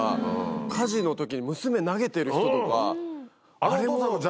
火事の時に娘投げてる人とかあれも。